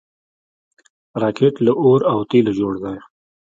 راکټ له اور او تیلو جوړ دی